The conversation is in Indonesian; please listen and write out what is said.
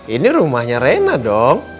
ini rumahnya rena dong